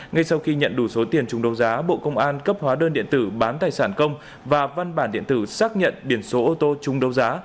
ngay sau khi nhận đủ số tiền chung đấu giá bộ công an cấp hóa đơn điện tử bán tài sản công và văn bản điện tử xác nhận biển số ô tô trung đấu giá